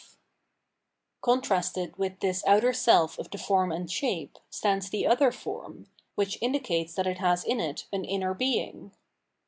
f Contrasted with tMs outer self of the form and shape, stands the other form, which indicates that it has in it an inner being.